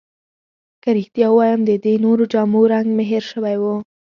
که رښتیا ووایم، د دې نورو جامو رنګ مې هیر شوی وو.